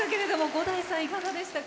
伍代さん、いかがでしたか？